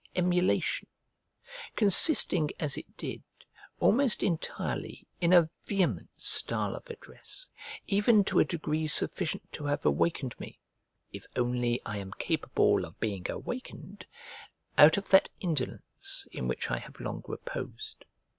emulation; consisting, as it did, almost entirely in a vehement style of address, even to a degree sufficient to have awakened me (if only I am capable of being awakened) out of that indolence in which I have long reposed.